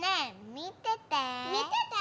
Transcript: みてて。